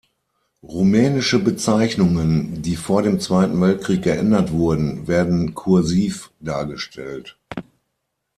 Rumänische Bezeichnungen, die vor dem Zweiten Weltkrieg geändert wurden, werden "kursiv" dargestellt.